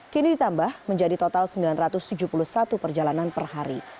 kini ditambah menjadi total sembilan ratus tujuh puluh satu perjalanan per hari